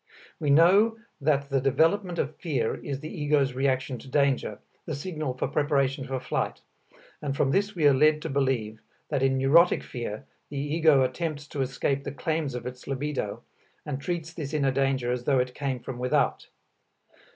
We know that the development of fear is the ego's reaction to danger, the signal for preparation for flight, and from this we are led to believe that in neurotic fear the ego attempts to escape the claims of its libido, and treats this inner danger as though it came from without.